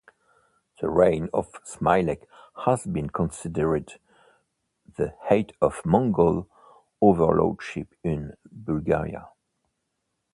The reign of Smilec has been considered the height of Mongol overlordship in Bulgaria.